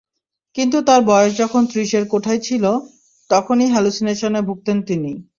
কিন্তু তাঁর বয়স যখন ত্রিশের কোঠায় ছিল, তখনই হ্যালুসিনেশনে ভুগতেন তিনি।